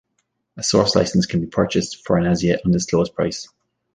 A source license can be purchased for an as yet undisclosed price.